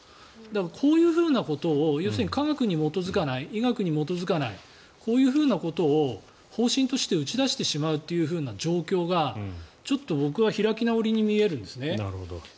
こういうふうなことを要するに、科学に基づかない医学に基づかないこういうふうなことを方針として打ち出してしまうという状況がちょっと僕は開き直りに見えるんですね。